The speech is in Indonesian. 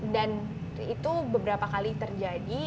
dan itu beberapa kali terjadi